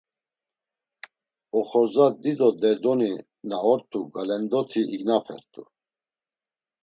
Oxorza, dido derdoni na ort̆u galendoti ignapert̆u.